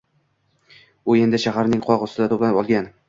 U endi shaharning qoq ustida to’planib olgan.